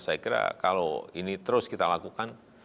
saya kira kalau ini terus kita lakukan